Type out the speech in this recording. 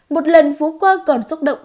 một lần phú quang còn xúc động